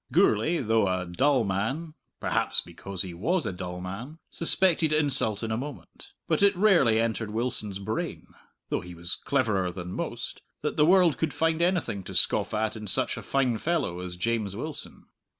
Gourlay, though a dull man perhaps because he was a dull man suspected insult in a moment. But it rarely entered Wilson's brain (though he was cleverer than most) that the world could find anything to scoff at in such a fine fellow as James Wilson.